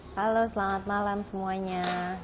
halo selamat malam semuanya